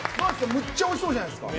むっちゃおいしそうじゃないですか。